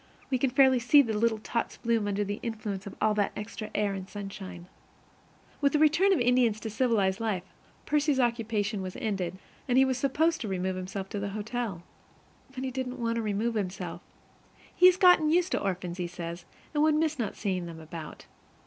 We can fairly see the little tots bloom under the influence of that extra air and sunshine. With the return of the Indians to civilized life, Percy's occupation was ended, and he was supposed to remove himself to the hotel. But he didn't want to remove himself. He has got used to orphans, he says, and he would miss not seeing them about.